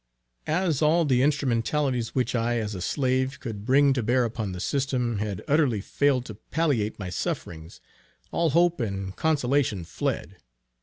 As all the instrumentalities which I as a slave, could bring to bear upon the system, had utterly failed to palliate my sufferings, all hope and consolation fled.